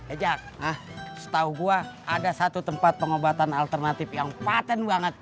ejak setahu gue ada satu tempat pengobatan alternatif yang patent banget